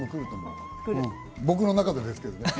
僕の中でですけどね。